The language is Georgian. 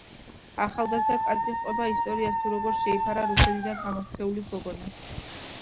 ახალგაზრდა კაცი ჰყვება ისტორიას თუ როგორ შეიფარა რუსეთიდან გამოქცეული გოგონა.